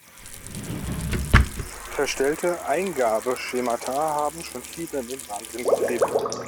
Verstellte Eingabeschemata haben schon viele in den Wahnsinn getrieben.